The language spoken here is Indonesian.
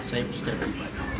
saya sederhana banyak